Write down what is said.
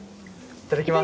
いただきます。